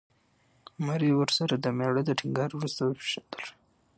ماري وروسته د مېړه د ټینګار وروسته وپېژندل شوه.